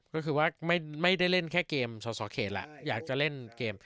ก็คือว่าไม่ได้เล่นแค่เกมสอสอเขตแล้วอยากจะเล่นเกม